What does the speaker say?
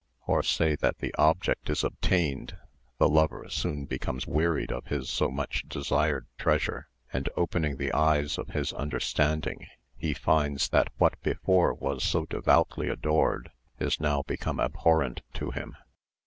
Or say that the object is obtained, the lover soon becomes wearied of his so much desired treasure, and opening the eyes of his understanding he finds that what before was so devoutly adored is now become abhorrent to him.